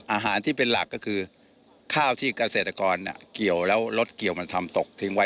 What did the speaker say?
อาหารที่เป็นหลักก็คือข้าวที่เกษตรกรเกี่ยวแล้วรสเกี่ยวมันทำตกทิ้งไว้